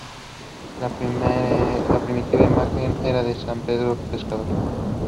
Dorsum moderately convex and clothed with silvery white hairy pubescence.